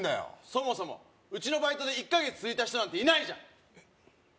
そもそもうちのバイトで１カ月続いた人なんていないじゃんえっ